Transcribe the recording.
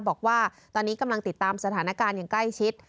บอกว่าตอนนี้กำลังติดตามสถานการณ์อย่างใกล้ชิด